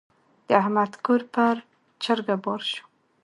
د احمد کور پر چرګه بار شو.